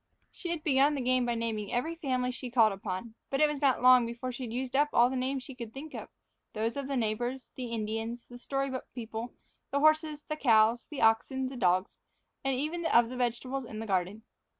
She had begun the game by naming every family she called upon. But it was not long before she had used up all the names she could think of those of the neighbors, the Indians, the story book people, the horses, the cows, the oxen, the dogs, and even the vegetables in the garden.